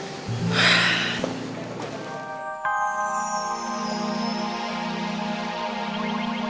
gue tuh lagi kepikiran sama bokap gue